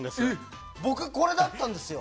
僕、これだったんですよ。